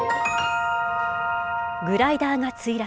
グライダーが墜落。